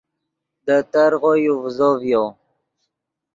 دے ترغو یو ڤیزو ڤیو